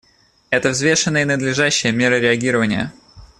Это взвешенная и надлежащая мера реагирования.